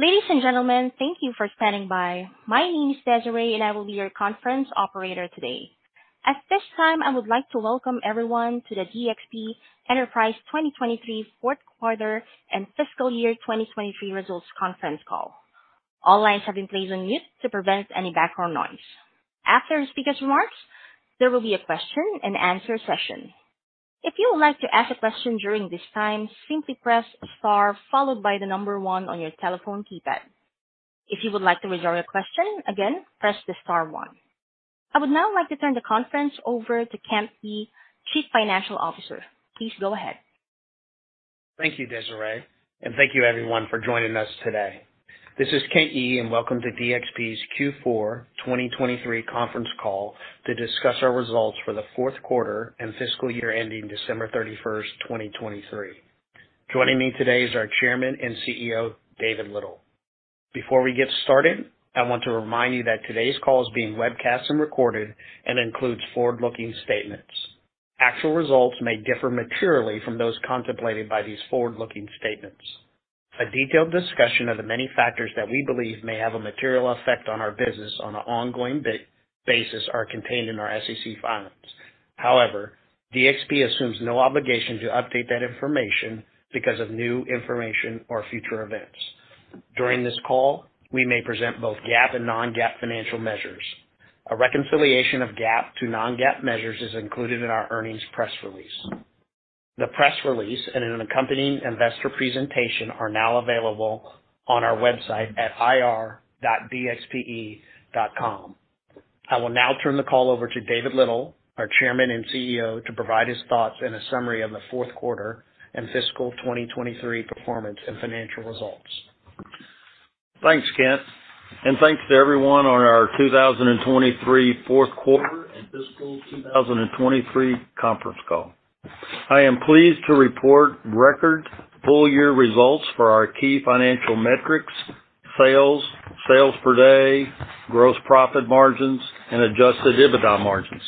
Ladies and gentlemen, thank you for standing by. My name is Desiree, and I will be your conference operator today. At this time, I would like to welcome everyone to the DXP Enterprises 2023 fourth quarter and fiscal year 2023 results conference call. All lines have been placed on mute to prevent any background noise. After the speaker's remarks, there will be a question-and-answer session. If you would like to ask a question during this time, simply press star, followed by the number 1 on your telephone keypad. If you would like to withdraw your question, again, press the star 1. I would now like to turn the conference over to Kent Yee, Chief Financial Officer. Please go ahead. Thank you, Desiree, and thank you everyone for joining us today. This is Kent Yee, and welcome to DXP's Q4 2023 conference call to discuss our results for the fourth quarter and fiscal year ending December 31, 2023. Joining me today is our Chairman and CEO, David Little. Before we get started, I want to remind you that today's call is being webcast and recorded and includes forward-looking statements. Actual results may differ materially from those contemplated by these forward-looking statements. A detailed discussion of the many factors that we believe may have a material effect on our business on an ongoing basis are contained in our SEC filings. However, DXP assumes no obligation to update that information because of new information or future events. During this call, we may present both GAAP and non-GAAP financial measures. A reconciliation of GAAP to non-GAAP measures is included in our earnings press release. The press release and an accompanying investor presentation are now available on our website at ir.dxpe.com. I will now turn the call over to David Little, our Chairman and CEO, to provide his thoughts and a summary of the fourth quarter and fiscal 2023 performance and financial results. Thanks, Kent, and thanks to everyone on our 2023 fourth quarter and fiscal 2023 conference call. I am pleased to report record full year results for our key financial metrics, sales, sales per day, gross profit margins, and Adjusted EBITDA margins.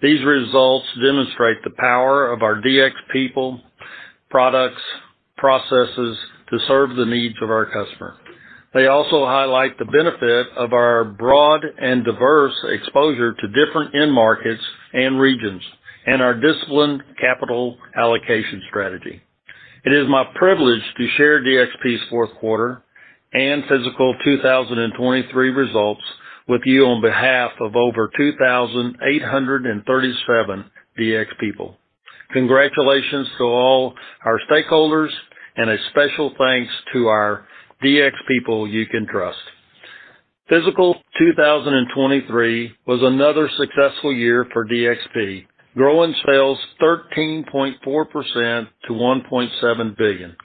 These results demonstrate the power of our DXP people, products, processes to serve the needs of our customer. They also highlight the benefit of our broad and diverse exposure to different end markets and regions and our disciplined capital allocation strategy. It is my privilege to share DXP's fourth quarter and fiscal 2023 results with you on behalf of over 2,837 DXP people. Congratulations to all our stakeholders and a special thanks to our DXP people you can trust. Fiscal 2023 was another successful year for DXP, growing sales 13.4% to $1.7 billion.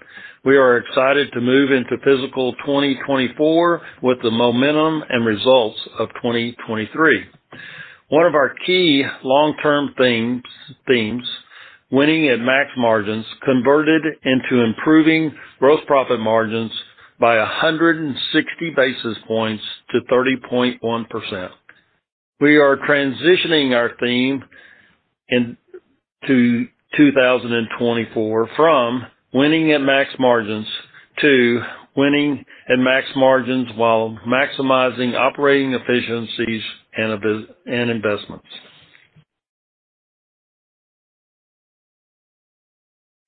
We are excited to move into fiscal 2024 with the momentum and results of 2023. One of our key long-term themes, winning at max margins, converted into improving gross profit margins by 160 basis points to 30.1%. We are transitioning our theme into 2024 from winning at max margins to winning at max margins while maximizing operating efficiencies and investments.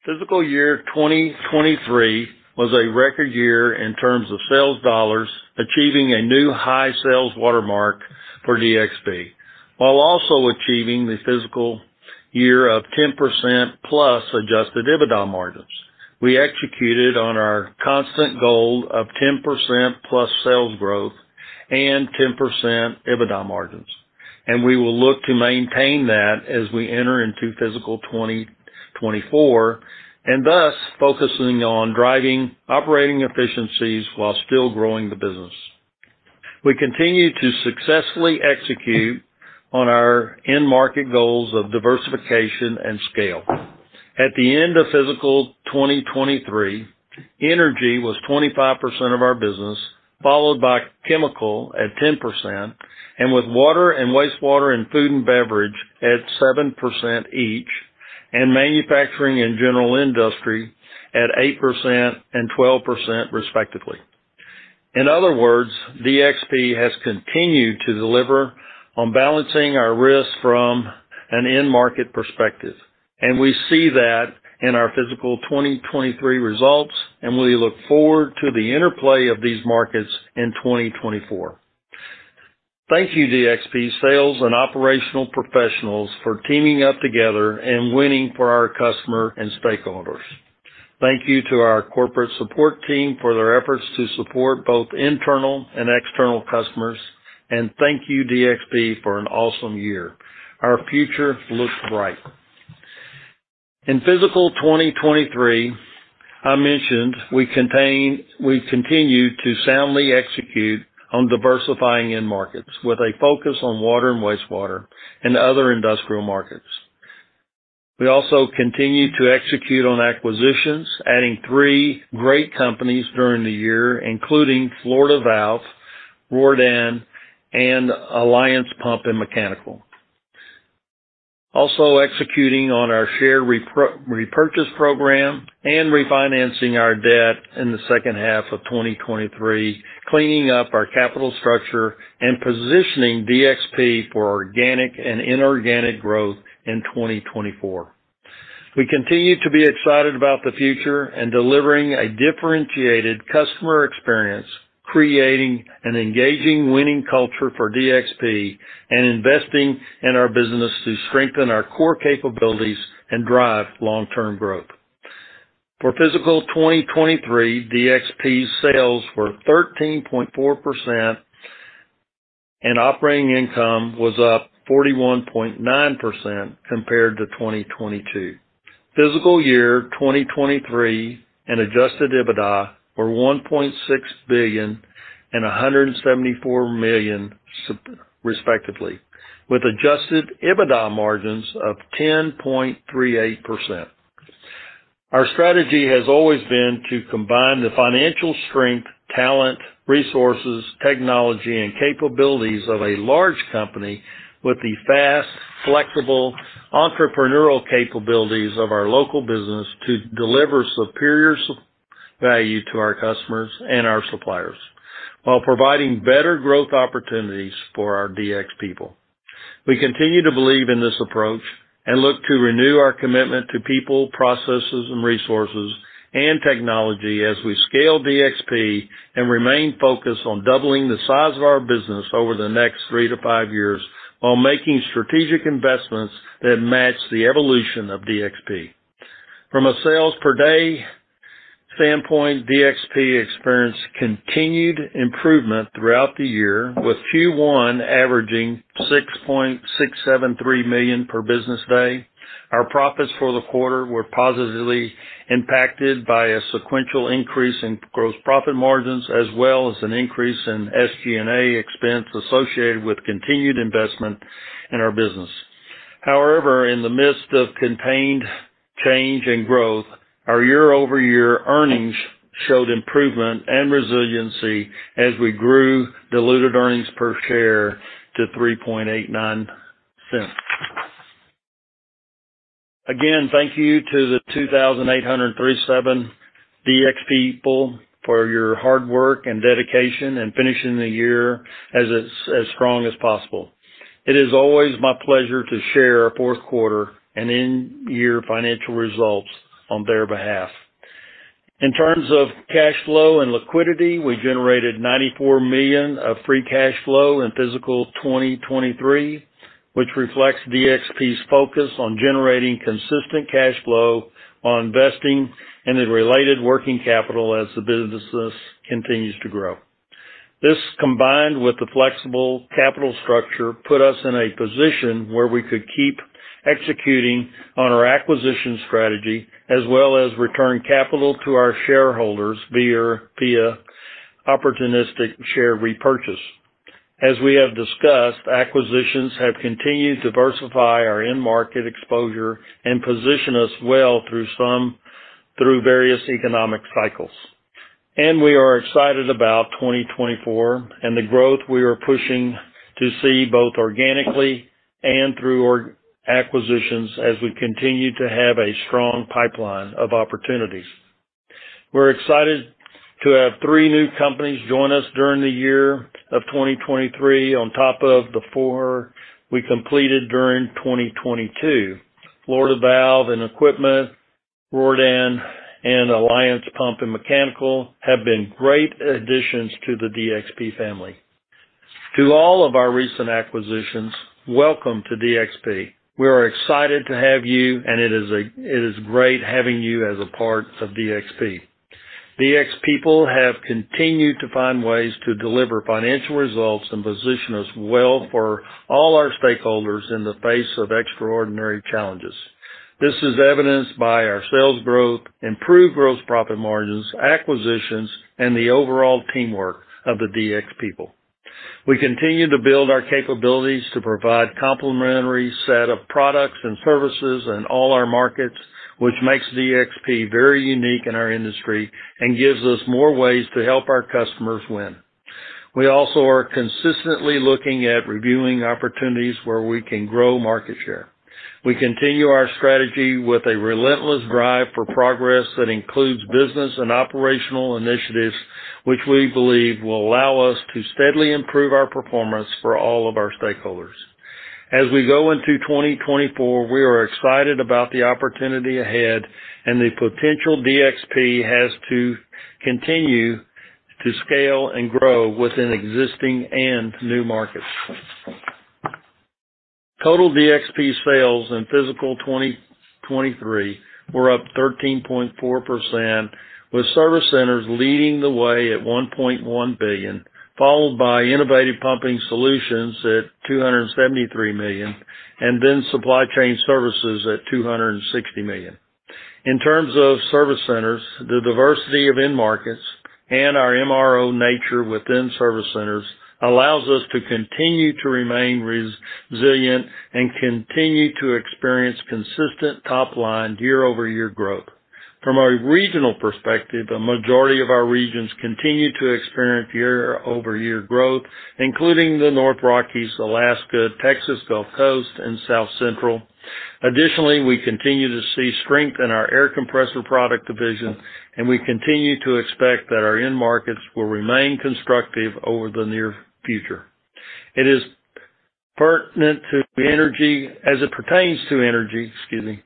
Fiscal year 2023 was a record year in terms of sales dollars, achieving a new high sales watermark for DXP, while also achieving the fiscal year of 10%+ adjusted EBITDA margins. We executed on our constant goal of 10%+ sales growth and 10% EBITDA margins, and we will look to maintain that as we enter into fiscal 2024, and thus focusing on driving operating efficiencies while still growing the business. We continue to successfully execute on our end market goals of diversification and scale. At the end of fiscal 2023, energy was 25% of our business, followed by chemical at 10%, and with water and wastewater and food and beverage at 7% each, and manufacturing and general industry at 8% and 12%, respectively. In other words, DXP has continued to deliver on balancing our risk from an end-market perspective, and we see that in our fiscal 2023 results, and we look forward to the interplay of these markets in 2024. Thank you, DXP sales and operational professionals, for teaming up together and winning for our customer and stakeholders. Thank you to our corporate support team for their efforts to support both internal and external customers. Thank you, DXP, for an awesome year. Our future looks bright. In fiscal 2023, we continued to soundly execute on diversifying end markets with a focus on water and wastewater and other industrial markets. We also continued to execute on acquisitions, adding three great companies during the year, including Florida Valve, Riordan, and Alliance Pump and Mechanical. Also executing on our share repurchase program and refinancing our debt in the second half of 2023, cleaning up our capital structure and positioning DXP for organic and inorganic growth in 2024. We continue to be excited about the future and delivering a differentiated customer experience, creating an engaging, winning culture for DXP, and investing in our business to strengthen our core capabilities and drive long-term growth. For fiscal 2023, DXP's sales were 13.4%, and operating income was up 41.9% compared to 2022. Fiscal year 2023 sales and adjusted EBITDA were $1.6 billion and $174 million, respectively, with adjusted EBITDA margins of 10.38%. Our strategy has always been to combine the financial strength, talent, resources, technology, and capabilities of a large company with the fast, flexible, entrepreneurial capabilities of our local business to deliver superior value to our customers and our suppliers, while providing better growth opportunities for our DXP people. We continue to believe in this approach and look to renew our commitment to people, processes and resources, and technology as we scale DXP and remain focused on doubling the size of our business over the next 3-5 years, while making strategic investments that match the evolution of DXP. From a sales per day standpoint, DXP experienced continued improvement throughout the year, with Q1 averaging $6.673 million per business day. Our profits for the quarter were positively impacted by a sequential increase in gross profit margins, as well as an increase in SG&A expense associated with continued investment in our business. However, in the midst of contained change and growth, our year-over-year earnings showed improvement and resiliency as we grew diluted earnings per share to $3.89. Again, thank you to the 2,837 DXP people for your hard work and dedication, and finishing the year as strong as possible. It is always my pleasure to share our fourth quarter and end year financial results on their behalf. In terms of cash flow and liquidity, we generated $94 million of free cash flow in fiscal 2023, which reflects DXP's focus on generating consistent cash flow on investing and the related working capital as the businesses continues to grow. This, combined with the flexible capital structure, put us in a position where we could keep executing on our acquisition strategy, as well as return capital to our shareholders via opportunistic share repurchase. As we have discussed, acquisitions have continued to diversify our end market exposure and position us well through various economic cycles. We are excited about 2024 and the growth we are pushing to see, both organically and through acquisitions, as we continue to have a strong pipeline of opportunities. We're excited to have three new companies join us during the year of 2023 on top of the four we completed during 2022. Florida Valve & Equipment, Riordan, and Alliance Pump and Mechanical have been great additions to the DXP family. To all of our recent acquisitions, welcome to DXP. We are excited to have you, and it is great having you as a part of DXP. DXP people have continued to find ways to deliver financial results and position us well for all our stakeholders in the face of extraordinary challenges. This is evidenced by our sales growth, improved gross profit margins, acquisitions, and the overall teamwork of the DXP people. We continue to build our capabilities to provide complementary set of products and services in all our markets, which makes DXP very unique in our industry and gives us more ways to help our customers win. We also are consistently looking at reviewing opportunities where we can grow market share. We continue our strategy with a relentless drive for progress that includes business and operational initiatives, which we believe will allow us to steadily improve our performance for all of our stakeholders. As we go into 2024, we are excited about the opportunity ahead and the potential DXP has to continue to scale and grow within existing and new markets. Total DXP sales in fiscal 2023 were up 13.4%, with service centers leading the way at $1.1 billion, followed by Innovative Pumping Solutions at $273 million, and then Supply Chain Services at $260 million. In terms of service centers, the diversity of end markets and our MRO nature within service centers allows us to continue to remain resilient and continue to experience consistent top-line year-over-year growth. From a regional perspective, a majority of our regions continue to experience year-over-year growth, including the North Rockies, Alaska, Texas Gulf Coast, and South Central. Additionally, we continue to see strength in our air compressor product division, and we continue to expect that our end markets will remain constructive over the near future. It is pertinent to energy, as it pertains to energy, excuse me,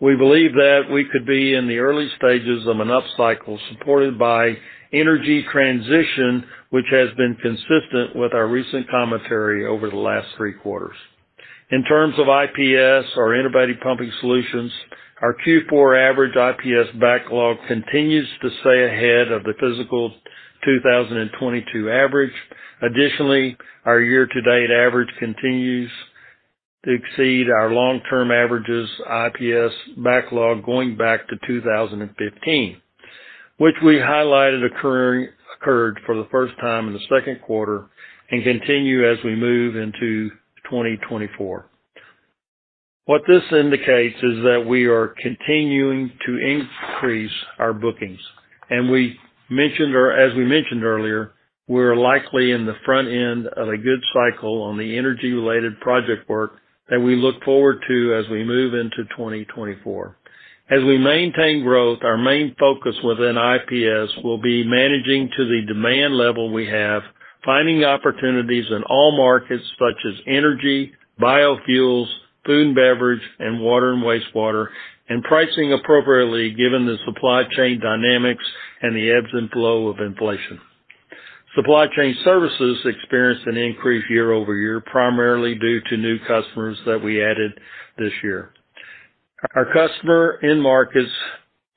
we believe that we could be in the early stages of an upcycle supported by energy transition, which has been consistent with our recent commentary over the last three quarters. In terms of IPS, our Innovative Pumping Solutions, our Q4 average IPS backlog continues to stay ahead of the 2022 average. Additionally, our year-to-date average continues to exceed our long-term average IPS backlog going back to 2015, which we highlighted occurred for the first time in the second quarter and continues as we move into 2024. What this indicates is that we are continuing to increase our bookings, and as we mentioned earlier, we're likely in the front end of a good cycle on the energy-related project work that we look forward to as we move into 2024. As we maintain growth, our main focus within IPS will be managing to the demand level we have, finding opportunities in all markets such as energy, biofuels, food and beverage, and water and wastewater, and pricing appropriately given the supply chain dynamics and the ebbs and flow of inflation. Supply chain services experienced an increase year-over-year, primarily due to new customers that we added this year. Our customer end markets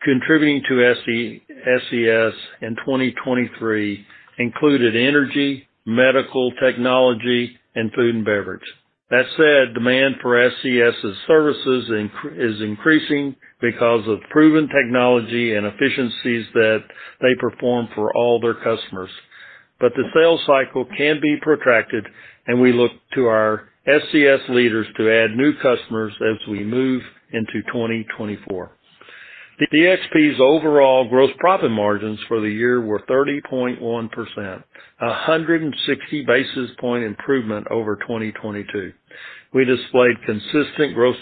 contributing to SCS in 2023 included energy, medical, technology, and food and beverage. That said, demand for SCS's services is increasing because of proven technology and efficiencies that they perform for all their customers. But the sales cycle can be protracted, and we look to our SCS leaders to add new customers as we move into 2024. DXP's overall gross profit margins for the year were 30.1%, a 160 basis point improvement over 2022. We displayed consistent gross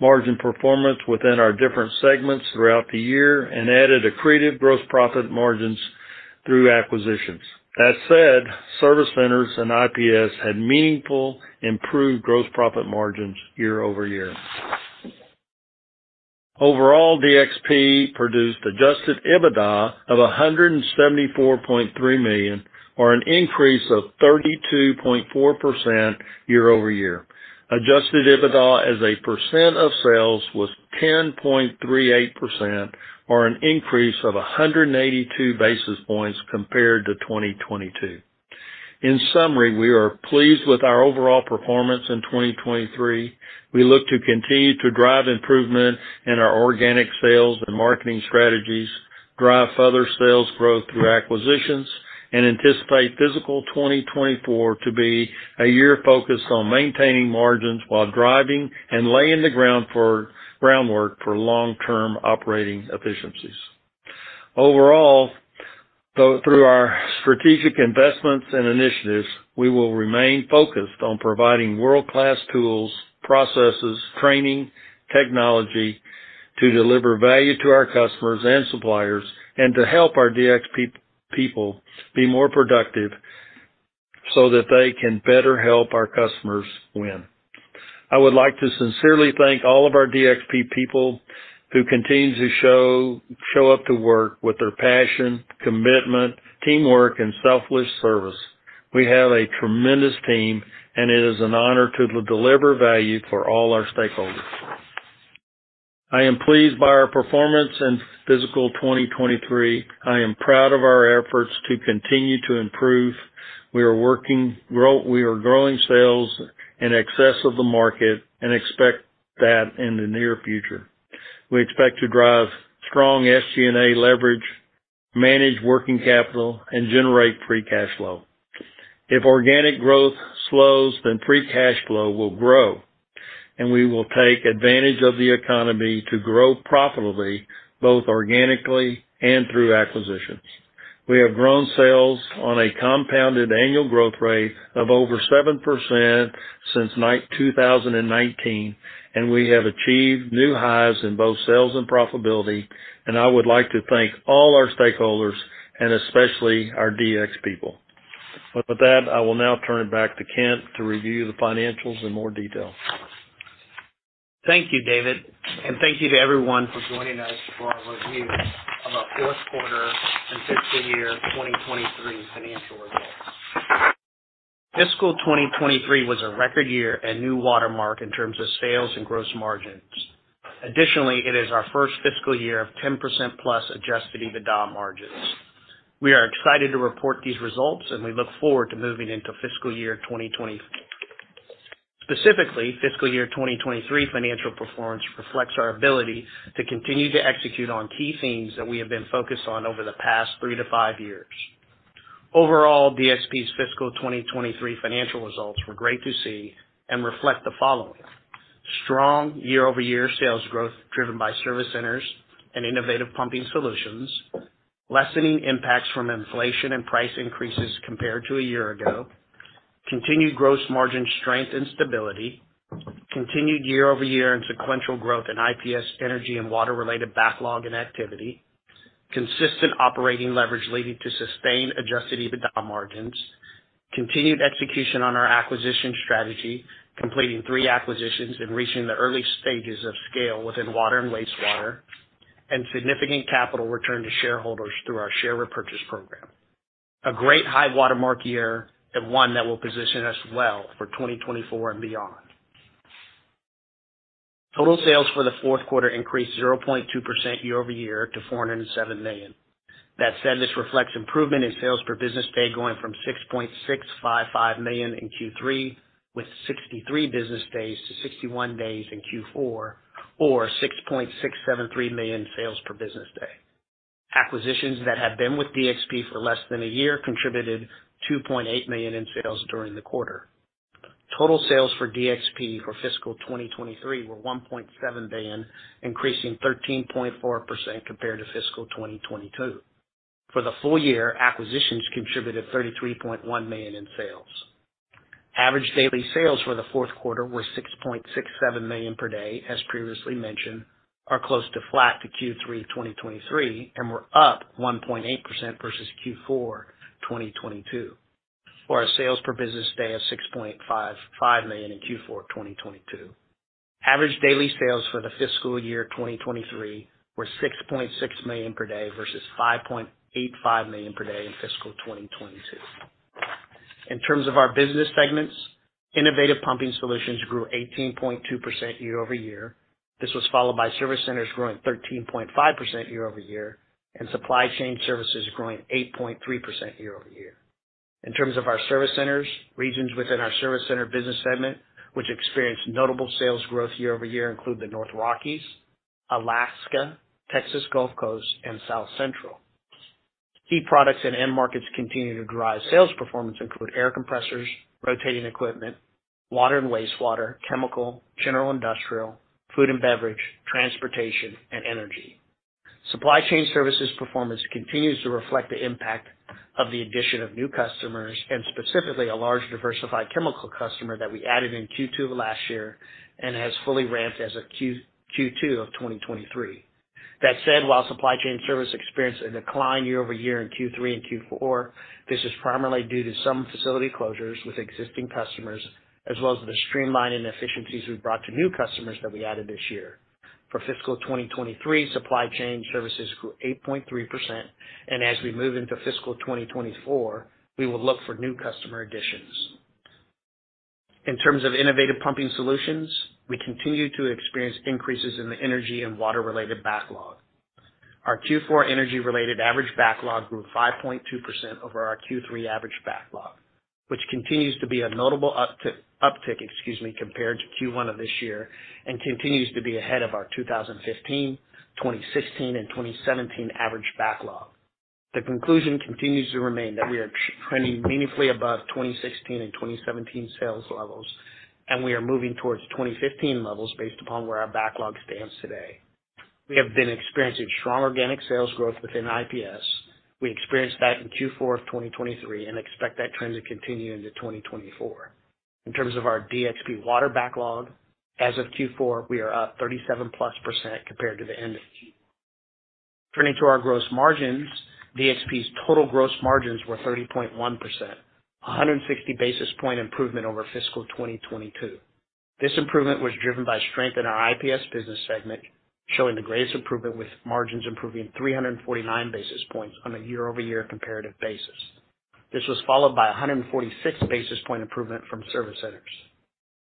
margin performance within our different segments throughout the year and added accreted gross profit margins through acquisitions. That said, Service Centers and IPS had meaningful improved gross profit margins year-over-year. Overall, DXP produced adjusted EBITDA of $174.3 million, or an increase of 32.4% year-over-year. Adjusted EBITDA as a percent of sales was 10.38%, or an increase of 182 basis points compared to 2022. In summary, we are pleased with our overall performance in 2023. We look to continue to drive improvement in our organic sales and marketing strategies, drive further sales growth through acquisitions, and anticipate fiscal 2024 to be a year focused on maintaining margins while driving and laying the groundwork for long-term operating efficiencies. Overall, though, through our strategic investments and initiatives, we will remain focused on providing world-class tools, processes, training, technology to deliver value to our customers and suppliers, and to help our DXP people be more productive so that they can better help our customers win. I would like to sincerely thank all of our DXP people who continue to show up to work with their passion, commitment, teamwork, and selfless service. We have a tremendous team, and it is an honor to deliver value for all our stakeholders. I am pleased by our performance in fiscal 2023. I am proud of our efforts to continue to improve. We are growing sales in excess of the market and expect that in the near future. We expect to drive strong SG&A leverage, manage working capital, and generate free cash flow. If organic growth slows, then free cash flow will grow, and we will take advantage of the economy to grow profitably, both organically and through acquisitions. We have grown sales on a compound annual growth rate of over 7% since 2019, and we have achieved new highs in both sales and profitability, and I would like to thank all our stakeholders and especially our DXP people. With that, I will now turn it back to Kent to review the financials in more detail. Thank you, David, and thank you to everyone for joining us for our review of our fourth quarter and fiscal year 2023 financial results. Fiscal 2023 was a record year and new watermark in terms of sales and gross margins. Additionally, it is our first fiscal year of 10%+ Adjusted EBITDA margins. We are excited to report these results, and we look forward to moving into fiscal year 2024. Specifically, fiscal year 2023 financial performance reflects our ability to continue to execute on key themes that we have been focused on over the past 3-5 years. Overall, DXP's fiscal 2023 financial results were great to see and reflect the following: strong year-over-year sales growth, driven by service centers and Innovative Pumping Solutions, lessening impacts from inflation and price increases compared to a year ago, continued gross margin strength and stability, continued year-over-year and sequential growth in IPS energy and water-related backlog and activity, consistent operating leverage leading to sustained adjusted EBITDA margins, continued execution on our acquisition strategy, completing three acquisitions and reaching the early stages of scale within water and wastewater, and significant capital return to shareholders through our share repurchase program. A great high-water mark year and one that will position us well for 2024 and beyond. Total sales for the fourth quarter increased 0.2% year-over-year to $407 million. That said, this reflects improvement in sales per business day, going from $6.655 million in Q3, with 63 business days to 61 days in Q4, or $6.673 million sales per business day. Acquisitions that have been with DXP for less than a year contributed $2.8 million in sales during the quarter. Total sales for DXP for fiscal 2023 were $1.7 billion, increasing 13.4% compared to fiscal 2022. For the full year, acquisitions contributed $33.1 million in sales. Average daily sales for the fourth quarter were $6.67 million per day, as previously mentioned, are close to flat to Q3 2023 and were up 1.8% versus Q4 2022, for our sales per business day of $6.55 million in Q4 2022. Average daily sales for the fiscal year 2023 were $6.6 million per day versus $5.85 million per day in fiscal 2022. In terms of our business segments, Innovative Pumping Solutions grew 18.2% year-over-year. This was followed by Service Centers growing 13.5% year-over-year, and Supply Chain Services growing 8.3% year-over-year. In terms of our Service Centers, regions within our Service Center business segment, which experienced notable sales growth year-over-year, include the North Rockies, Alaska, Texas Gulf Coast, and South Central. Key products and end markets continue to drive sales performance include air compressors, rotating equipment, water and wastewater, chemical, general industrial, food and beverage, transportation, and energy. Supply Chain Services performance continues to reflect the impact of the addition of new customers, and specifically a large diversified chemical customer that we added in Q2 of last year and has fully ramped as of Q2 of 2023. That said, while Supply Chain Services experienced a decline year-over-year in Q3 and Q4, this is primarily due to some facility closures with existing customers, as well as the streamlining efficiencies we've brought to new customers that we added this year. For fiscal 2023, Supply Chain Services grew 8.3%, and as we move into fiscal 2024, we will look for new customer additions. In terms of Innovative Pumping Solutions, we continue to experience increases in the energy and water-related backlog. Our Q4 energy-related average backlog grew 5.2% over our Q3 average backlog, which continues to be a notable uptick, excuse me, compared to Q1 of this year, and continues to be ahead of our 2015, 2016, and 2017 average backlog. The conclusion continues to remain that we are trending meaningfully above 2016 and 2017 sales levels, and we are moving towards 2015 levels based upon where our backlog stands today. We have been experiencing strong organic sales growth within IPS. We experienced that in Q4 of 2023 and expect that trend to continue into 2024. In terms of our DXP water backlog, as of Q4, we are up 37%+ compared to the end of Q. Turning to our gross margins, DXP's total gross margins were 30.1%, a 160 basis point improvement over fiscal 2022. This improvement was driven by strength in our IPS business segment, showing the greatest improvement, with margins improving 349 basis points on a year-over-year comparative basis. This was followed by a 146 basis point improvement from service centers.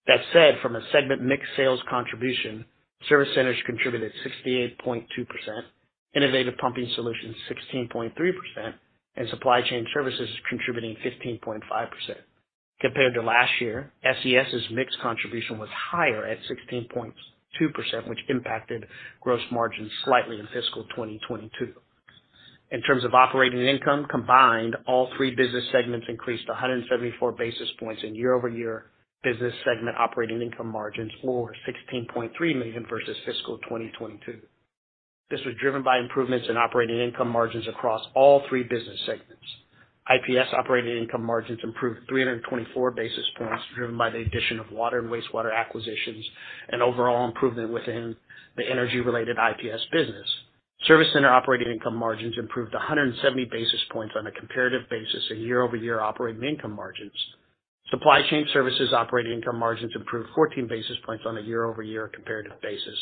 That said, from a segment mix sales contribution, service centers contributed 68.2%, Innovative Pumping Solutions, 16.3%, and Supply Chain Services contributing 15.5%. Compared to last year, SCS's mix contribution was higher at 16.2%, which impacted gross margins slightly in fiscal 2022. In terms of operating income, combined, all three business segments increased 174 basis points in year-over-year business segment operating income margins or $16.3 million versus fiscal 2022. This was driven by improvements in operating income margins across all three business segments. IPS operating income margins improved 324 basis points, driven by the addition of water and wastewater acquisitions and overall improvement within the energy-related IPS business. Service center operating income margins improved 170 basis points on a comparative basis of year-over-year operating income margins. Supply chain services operating income margins improved 14 basis points on a year-over-year comparative basis.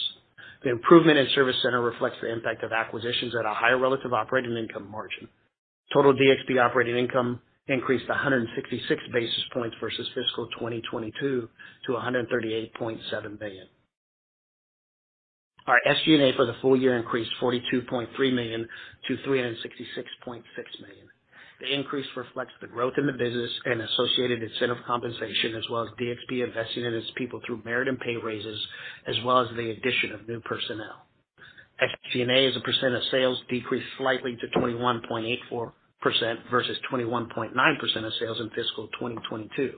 The improvement in service center reflects the impact of acquisitions at a higher relative operating income margin. Total DXP operating income increased 166 basis points versus fiscal 2022 to $138.7 million. Our SG&A for the full year increased $42.3 million to $366.6 million. The increase reflects the growth in the business and associated incentive compensation, as well as DXP investing in its people through merit and pay raises, as well as the addition of new personnel. SG&A as a percent of sales decreased slightly to 21.84% versus 21.9% of sales in fiscal 2022.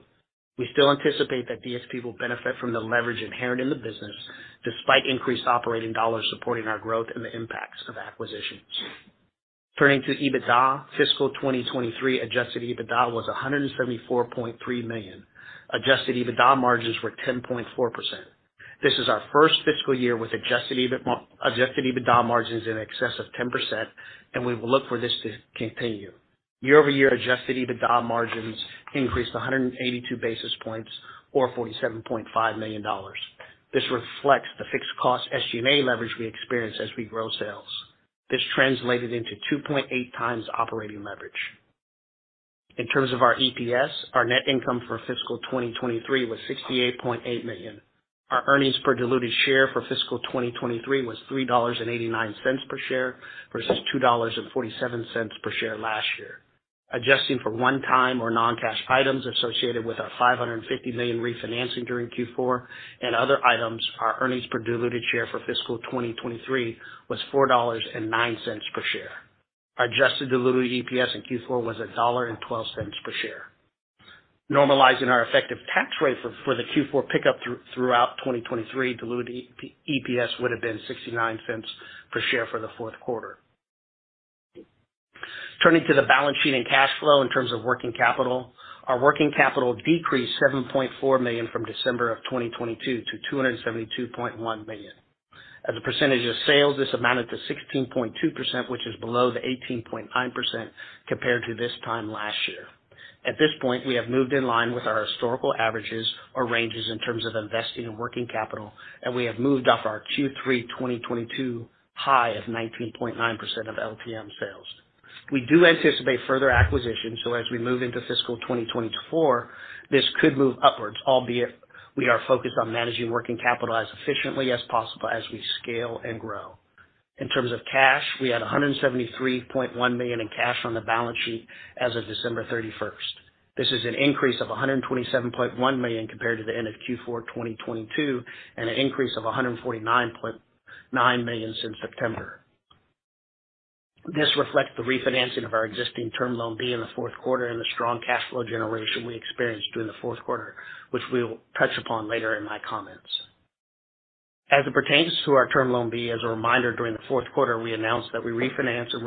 We still anticipate that DXP will benefit from the leverage inherent in the business, despite increased operating dollars supporting our growth and the impacts of acquisitions. Turning to EBITDA. Fiscal 2023 adjusted EBITDA was $174.3 million. Adjusted EBITDA margins were 10.4%. This is our first fiscal year with adjusted EBITDA, adjusted EBITDA margins in excess of 10%, and we will look for this to continue. Year-over-year adjusted EBITDA margins increased 182 basis points or $47.5 million. This reflects the fixed cost SG&A leverage we experience as we grow sales. This translated into 2.8 times operating leverage. In terms of our EPS, our net income for fiscal 2023 was $68.8 million. Our earnings per diluted share for fiscal 2023 was $3.89 per share versus $2.47 per share last year. Adjusting for one time or non-cash items associated with our $550 million refinancing during Q4 and other items, our earnings per diluted share for fiscal 2023 was $4.09 per share. Adjusted diluted EPS in Q4 was $1.12 per share. Normalizing our effective tax rate for the Q4 pickup throughout 2023, diluted EPS would have been $0.69 per share for the fourth quarter. Turning to the balance sheet and cash flow in terms of working capital. Our working capital decreased $7.4 million from December 2022 to $272.1 million. As a percentage of sales, this amounted to 16.2%, which is below the 18.9% compared to this time last year. At this point, we have moved in line with our historical averages or ranges in terms of investing in working capital, and we have moved off our Q3 2022 high of 19.9% of LTM sales. We do anticipate further acquisitions, so as we move into fiscal 2024, this could move upwards, albeit we are focused on managing working capital as efficiently as possible as we scale and grow. In terms of cash, we had $173.1 million in cash on the balance sheet as of December 31. This is an increase of $127.1 million compared to the end of Q4 2022, and an increase of $149.9 million since September. This reflects the refinancing of our existing Term Loan B in the fourth quarter and the strong cash flow generation we experienced during the fourth quarter, which we will touch upon later in my comments. As it pertains to our Term Loan B, as a reminder, during the fourth quarter, we announced that we refinanced and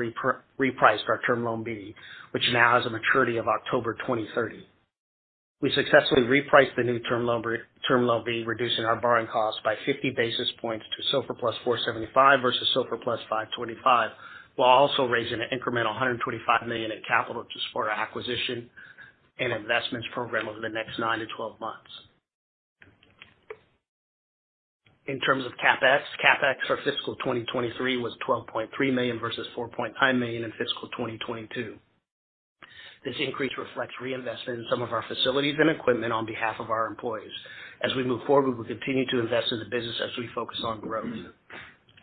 repriced our Term Loan B, which now has a maturity of October 2030. We successfully repriced the new Term loan B, reducing our borrowing costs by 50 basis points to SOFR plus 475 versus SOFR plus 525, while also raising an incremental $125 million in capital to support our acquisition and investments program over the next 9-12 months. In terms of CapEx, CapEx for fiscal 2023 was $12.3 million versus $4.9 million in fiscal 2022. This increase reflects reinvestment in some of our facilities and equipment on behalf of our employees. As we move forward, we will continue to invest in the business as we focus on growth.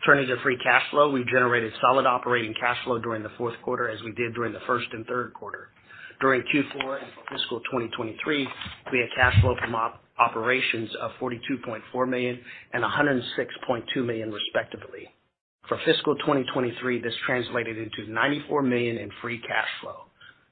Turning to free cash flow, we generated solid operating cash flow during the fourth quarter, as we did during the first and third quarter. During Q4 and fiscal 2023, we had cash flow from operations of $42.4 million and $106.2 million, respectively. For fiscal 2023, this translated into $94 million in free cash flow.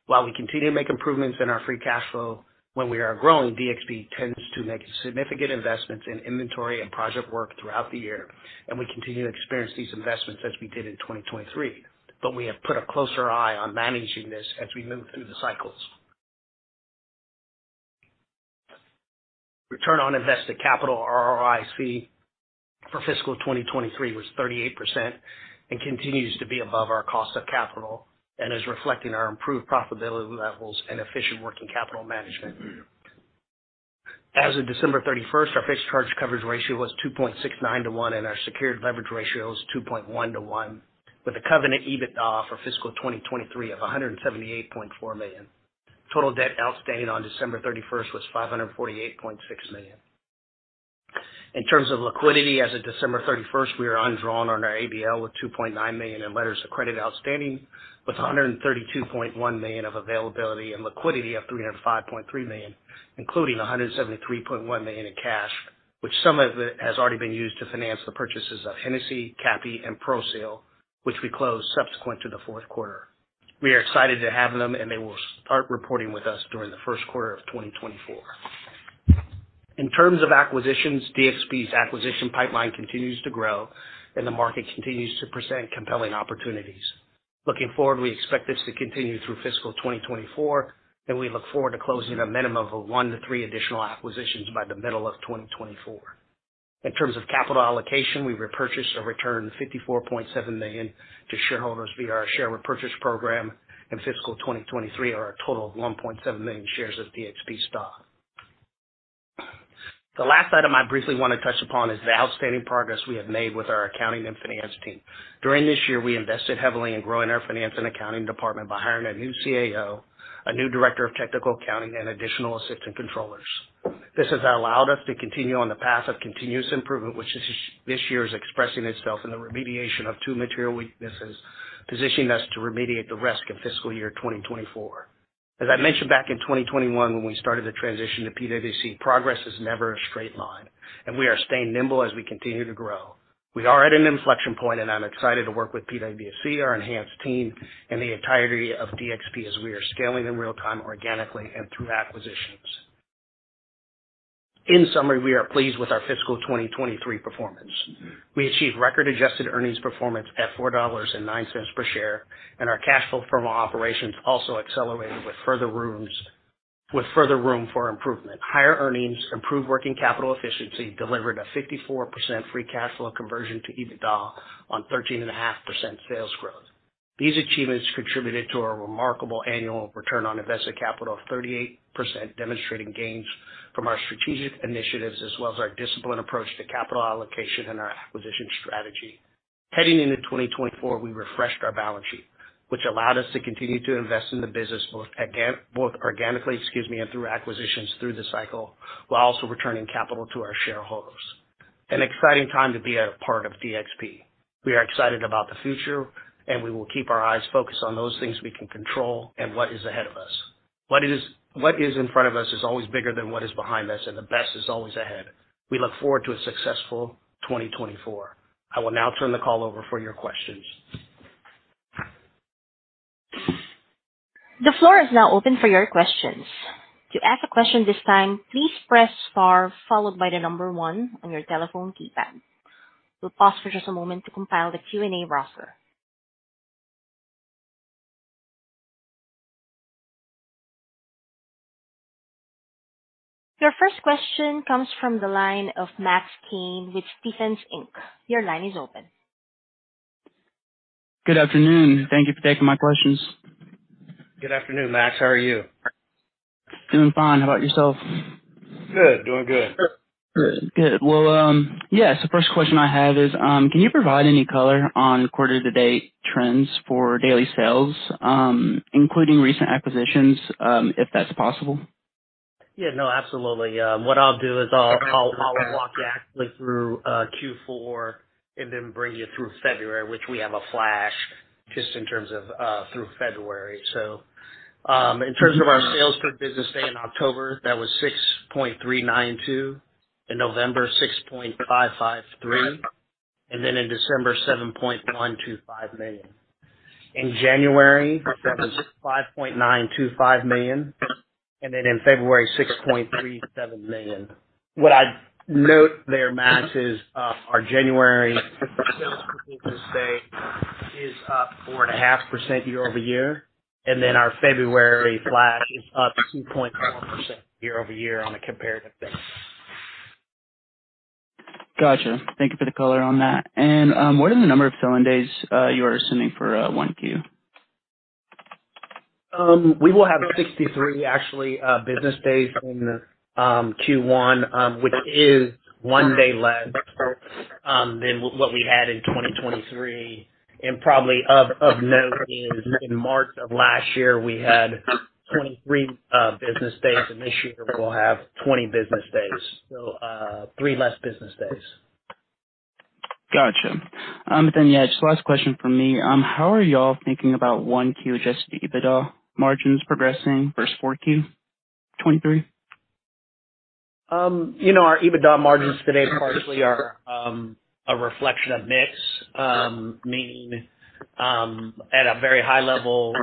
While we continue to make improvements in our free cash flow, when we are growing, DXP tends to make significant investments in inventory and project work throughout the year, and we continue to experience these investments as we did in 2023. But we have put a closer eye on managing this as we move through the cycles. Return on invested capital, or ROIC, for fiscal 2023 was 38% and continues to be above our cost of capital and is reflecting our improved profitability levels and efficient working capital management. As of December 31, our fixed charge coverage ratio was 2.69 to 1, and our secured leverage ratio was 2.1 to 1, with a covenant EBITDA for fiscal 2023 of $178.4 million. Total debt outstanding on December 31 was $548.6 million. In terms of liquidity, as of December 31, we are undrawn on our ABL with $2.9 million in letters of credit outstanding, with $132.1 million of availability and liquidity of $305.3 million, including $173.1 million in cash, which some of it has already been used to finance the purchases of Hennesy, Kappe, and Pro-Seal, which we closed subsequent to the fourth quarter. We are excited to have them, and they will start reporting with us during the first quarter of 2024. In terms of acquisitions, DXP's acquisition pipeline continues to grow, and the market continues to present compelling opportunities. Looking forward, we expect this to continue through fiscal 2024, and we look forward to closing a minimum of 1-3 additional acquisitions by the middle of 2024. In terms of capital allocation, we repurchased or returned $54.7 million to shareholders via our share repurchase program in fiscal 2023, or a total of 1.7 million shares of DXP stock. The last item I briefly want to touch upon is the outstanding progress we have made with our accounting and finance team. During this year, we invested heavily in growing our finance and accounting department by hiring a new CAO, a new director of technical accounting, and additional assistant controllers. This has allowed us to continue on the path of continuous improvement, which, this year, is expressing itself in the remediation of two material weaknesses, positioning us to remediate the risk in fiscal year 2024. As I mentioned back in 2021, when we started the transition to PwC, progress is never a straight line, and we are staying nimble as we continue to grow. We are at an inflection point, and I'm excited to work with PwC, our enhanced team, and the entirety of DXP as we are scaling in real time, organically and through acquisitions. In summary, we are pleased with our fiscal 2023 performance. We achieved record adjusted earnings performance at $4.09 per share, and our cash flow from operations also accelerated with further room for improvement. Higher earnings, improved working capital efficiency delivered a 54% free cash flow conversion to EBITDA on 13.5% sales growth. These achievements contributed to our remarkable annual return on invested capital of 38%, demonstrating gains from our strategic initiatives, as well as our disciplined approach to capital allocation and our acquisition strategy. Heading into 2024, we refreshed our balance sheet, which allowed us to continue to invest in the business, both again, both organically, excuse me, and through acquisitions through the cycle, while also returning capital to our shareholders. An exciting time to be a part of DXP. We are excited about the future, and we will keep our eyes focused on those things we can control and what is ahead of us. What is in front of us is always bigger than what is behind us, and the best is always ahead. We look forward to a successful 2024. I will now turn the call over for your questions. The floor is now open for your questions. To ask a question this time, please press Star followed by the number one on your telephone keypad. We'll pause for just a moment to compile the Q&A roster. Your first question comes from the line of Max Kane with Stephens Inc. Your line is open. Good afternoon. Thank you for taking my questions. Good afternoon, Max, how are you? Doing fine. How about yourself? Good. Doing good. Good. Well, yes, the first question I had is, can you provide any color on quarter-to-date trends for daily sales, including recent acquisitions, if that's possible? Yeah, no, absolutely. What I'll do is I'll, I'll, I'll walk you actually through Q4 and then bring you through February, which we have a flash just in terms of through February. So, in terms of our sales per business day in October, that was $6.392 million. In November, $6.553 million, and then in December, $7.125 million. In January, that was $5.925 million, and then in February, $6.37 million. What I'd note there, Max, is our January sales per business day is up 4.5% year-over-year, and then our February flash is up 2.1% year-over-year on a comparative basis. Gotcha. Thank you for the color on that. And what are the number of selling days you are assuming for 1Q? We will have 63, actually, business days in the Q1, which is one day less than what we had in 2023. And probably of note is in March of last year, we had 23 business days, and this year we'll have 20 business days. So, three less business days. Gotcha. Then, yeah, just last question from me. How are y'all thinking about 1Q, just EBITDA margins progressing versus 4Q, 2023? You know, our EBITDA margins today partially are a reflection of mix. Meaning, at a very high level,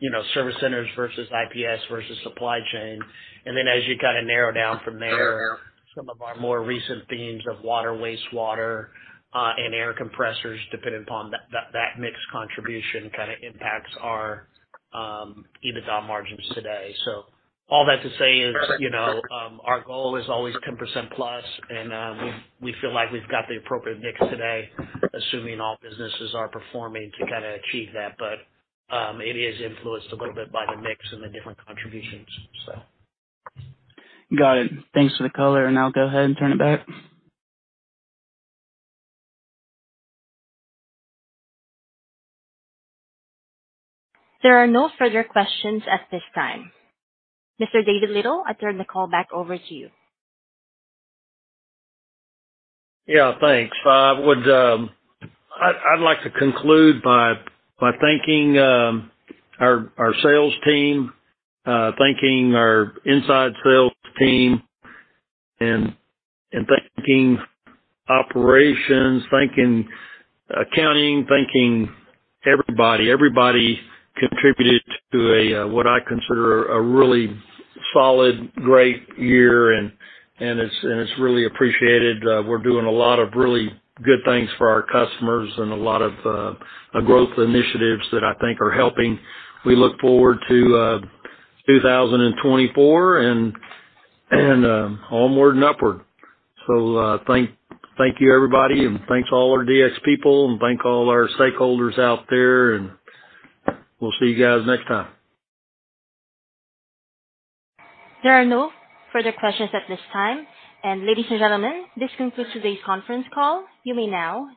you know, service centers versus IPS versus supply chain. And then as you kind of narrow down from there, some of our more recent themes of water, wastewater, and air compressors, depending upon that, that mix contribution kind of impacts our EBITDA margins today. So all that to say is, you know, our goal is always 10% plus, and, we, we feel like we've got the appropriate mix today, assuming all businesses are performing to kind of achieve that. But, it is influenced a little bit by the mix and the different contributions, so. Got it. Thanks for the color, and I'll go ahead and turn it back. There are no further questions at this time. Mr. David Little, I turn the call back over to you. Yeah, thanks. I'd like to conclude by thanking our sales team, thanking our inside sales team, and thanking operations, thanking accounting, thanking everybody. Everybody contributed to what I consider a really solid, great year, and it's really appreciated. We're doing a lot of really good things for our customers and a lot of growth initiatives that I think are helping. We look forward to 2024 and onward and upward. So, thank you, everybody, and thanks to all our DXP people, and thank all our stakeholders out there, and we'll see you guys next time. There are no further questions at this time. Ladies and gentlemen, this concludes today's conference call. You may now disconnect.